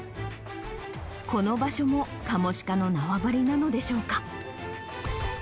この場所もカモシカの縄張りなのでしょうか。